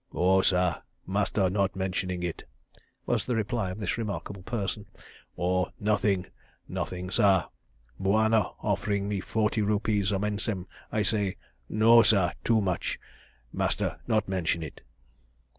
"Oh, sah! Master not mentioning it!" was the reply of this remarkable person. "Oh, nothing, nothing, sah! Bwana offering me forty rupees a mensem, I say 'No, sah! Too much.' ... Master not mention it."